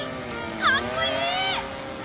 かっこいい！